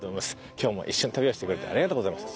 今日も一緒に旅をしてくれてありがとうございました。